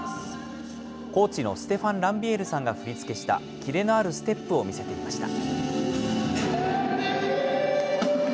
コーチのステファン・ランビエールさんが振り付けしたキレのあるステップを見せていました。